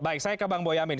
baik saya ke bang bu yamin